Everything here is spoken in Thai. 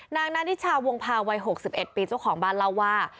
นางนานิชาวงภาวัย๖๑ปีช่วงของบ้านเราว่า